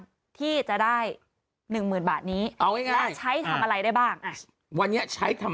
ที่จะได้หนึ่งหมื่นบาทนี้เอายังไงและใช้ทำอะไรได้บ้างอ่ะวันนี้ใช้ทำ